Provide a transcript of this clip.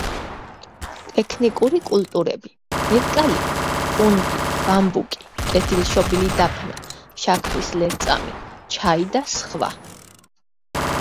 ტექნიკური კულტურები: ევკალიპტი, ტუნგი, ბამბუკი, კეთილშობილი დაფნა, შაქრის ლერწამი, ჩაი და სხვა.